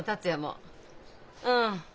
うん。